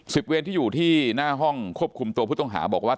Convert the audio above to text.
เวรที่อยู่ที่หน้าห้องควบคุมตัวผู้ต้องหาบอกว่า